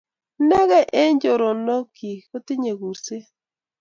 inegei eng chorondoikchu netinyei kurset